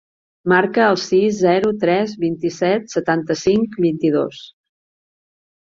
Marca el sis, zero, tres, vint-i-set, setanta-cinc, vint-i-dos.